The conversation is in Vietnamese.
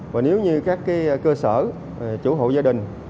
và nếu như các cơ sở chủ hộ gia đình